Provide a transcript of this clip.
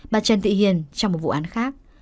bà trần thị hiền trong một vụ án khác